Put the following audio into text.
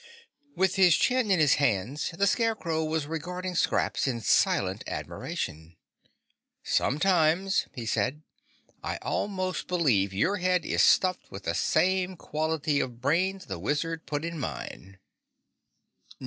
With his chin in his hand, the Scarecrow was regarding Scraps in silent admiration. "Sometimes," he said, "I almost believe your head is stuffed with the same quality of brains the Wizard put in mine."